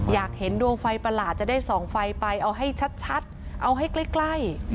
อยากเห็นดวงไฟประหลาดจะได้ส่องไฟไปเอาให้ชัดเอาให้ใกล้